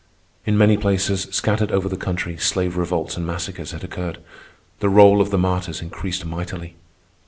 In many places, scattered over the country, slave revolts and massacres had occurred. The roll of the martyrs increased mightily.